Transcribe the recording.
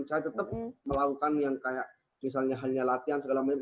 saya tetap melakukan yang kayak misalnya hanya latihan segala macam